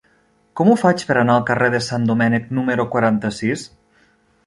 Com ho faig per anar al carrer de Sant Domènec número quaranta-sis?